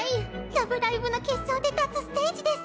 「ラブライブ！」の決勝で立つステージデス。